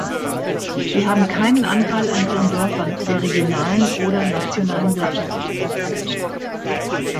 Sie haben keinen Anteil an ihren Dörfern, der regionalen oder nationalen Wirtschaft.